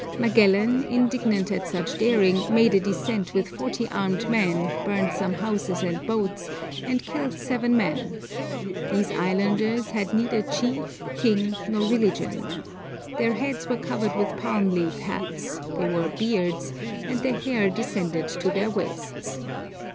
Magellan, indignant at such daring, made a descent with forty armed men, burned some houses and boats, and killed seven men. These islanders had neither chief, king, nor religion. Their heads were covered with palm leaf hats, they wore beards, and their hair descended to their waists.